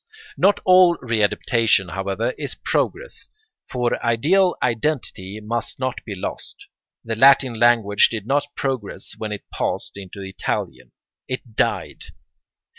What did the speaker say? ] Not all readaptation, however, is progress, for ideal identity must not be lost. The Latin language did not progress when it passed into Italian. It died.